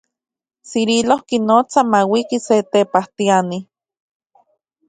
Cirilo, xiknotsa mauiki se tepajtiani.